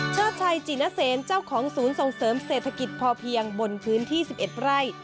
ชัยจินเซนเจ้าของศูนย์ส่งเสริมเศรษฐกิจพอเพียงบนพื้นที่๑๑ไร่